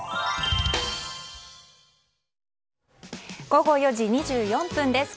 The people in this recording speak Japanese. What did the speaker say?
午後４時２４分です。